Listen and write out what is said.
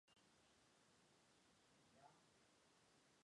本次全会是中共有史以来递补和处分中央委员最多的一次。